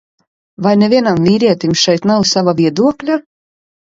Vai nevienam vīrietim šeit nav sava viedokļa?